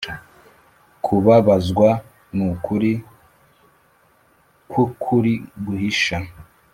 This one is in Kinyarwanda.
kubabazwa nukuri kwukuri guhisha,